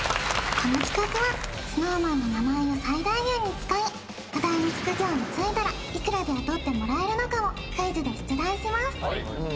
この企画はＳｎｏｗＭａｎの名前を最大限に使い話題の職業に就いたらいくらで雇ってもらえるのかをクイズで出題します